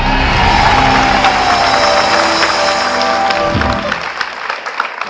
ไม่ใช้นะครับ